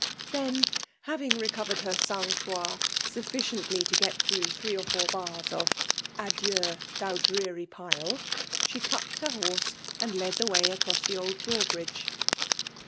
Then, having recovered her sang froid suffici FEMALE DOMINATION. 269 ^ntly to get through three or four bars of "Adieu, thou dreary pile!" she touched her horse^ and led the way across the old draw bridge.